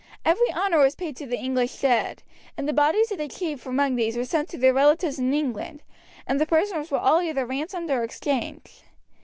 Every honour was paid to the English dead, and the bodies of the chief among these were sent to their relatives in England, and the prisoners were all either ransomed or exchanged.